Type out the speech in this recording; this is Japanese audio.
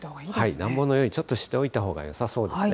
暖房の用意、ちょっとしておいたほうがよさそうですね。